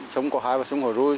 sông cò hải và sông hồi rui